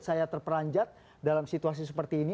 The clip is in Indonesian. saya terperanjat dalam situasi seperti ini